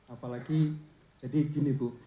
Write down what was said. apalagi jadi gini bu